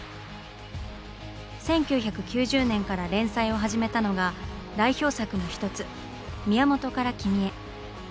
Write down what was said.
１９９０年から連載を始めたのが代表作の１つ「宮本から君へ」。